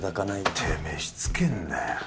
てめえしつけえんだよ。